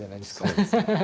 そうですね。